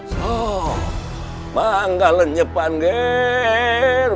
so mangga lenyepan ger